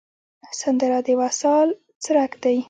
سندره د وصال څرک دی